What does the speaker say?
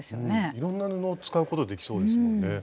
いろんな布を使うことできそうですもんね。